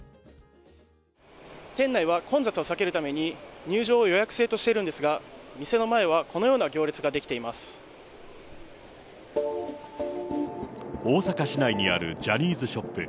店内は混雑を避けるために、入場を予約制としているのですが、店の前は、このような行列が出来大阪市内にあるジャニーズショップ。